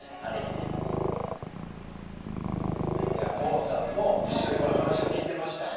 萌々さんも一緒に話を聞いていました。